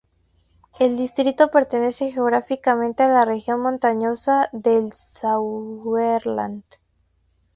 El distrito pertenece geográficamente a la región montañosa del Sauerland.